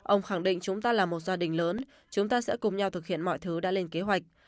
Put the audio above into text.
ông khẳng định chúng ta là một gia đình lớn chúng ta sẽ cùng nhau thực hiện mọi thứ đã lên kế hoạch